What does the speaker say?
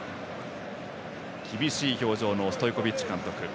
厳しい表情のストイコビッチ監督。